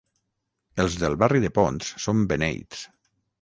Els del barri de Ponts són beneits.